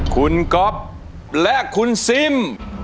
คุณก๊อฟและคุณซิม